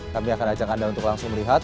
kami akan ajak anda untuk langsung melihat